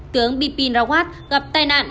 tướng bipin rawat gặp tai nạn